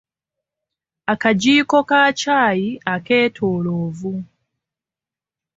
Akajiiko ka ccaayi akeetoolovu.